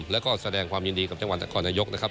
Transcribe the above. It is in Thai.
แล้วก็แสดงความยินดีกับจังหวัดนครนายกนะครับ